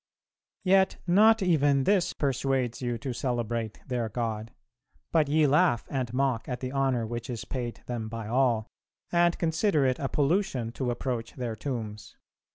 "Yet not even this persuades you to celebrate their God, but ye laugh and mock at the honour which is paid them by all, and consider it a pollution to approach their tombs.